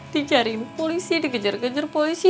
dicari polisi dikejar kejar polisi